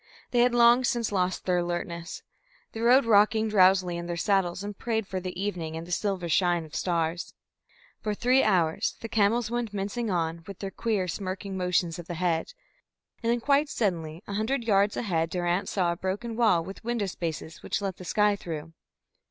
They had long since lost their alertness. They rode rocking drowsily in their saddles and prayed for the evening and the silver shine of stars. For three hours the camels went mincing on with their queer smirking motions of the head, and then quite suddenly a hundred yards ahead Durrance saw a broken wall with window spaces which let the sky through.